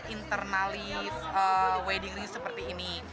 intenalist wedding ring seperti ini